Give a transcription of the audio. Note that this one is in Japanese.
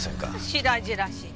しらじらしい。